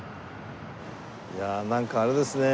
いやあなんかあれですね